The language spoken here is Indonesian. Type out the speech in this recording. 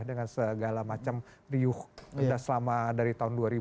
dengan segala macam riuh keda selama dari tahun dua ribu delapan belas kemarin